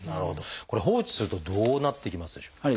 これ放置するとどうなっていきますでしょう？